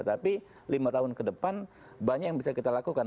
tapi lima tahun ke depan banyak yang bisa kita lakukan